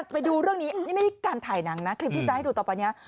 ไปดูเรื่องนี้นี่ไม่ได้การถ่ายหนังนะคลิปที่จะให้ดูต่อไปนี้